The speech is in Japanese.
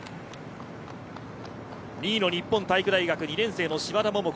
２位の日本体育大学２年生の嶋田桃子。